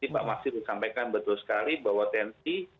pak maksir disampaikan betul sekali bahwa tensi